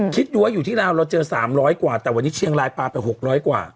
คิดดูว่าอยู่ที่ลาวเราเจอ๓๐๐กว่าแต่วันนี้เชียงรายปลาไป๖๐๐กว่า